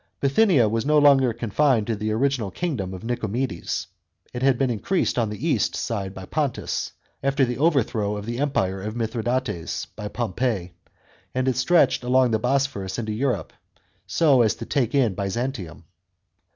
Bithynia was no longer confined to the original kingdom of Nicomedes. It had been increased on the east side by Pontus, after the overthrow of the empire of Mithradates by Pompey; and it stretched across the Bosphorus into Europe, so as to take in Byzantium.